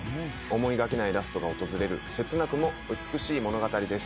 思いがけないラストが訪れる切なくも美しい物語です。